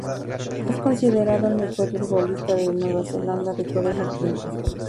Es considerado el mejor futbolista de Nueva Zelanda de todos los tiempos.